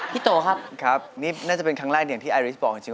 โตครับครับนี่น่าจะเป็นครั้งแรกอย่างที่ไอริสบอกจริง